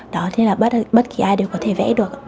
đó thế là bất kỳ ai đều có thể vẽ được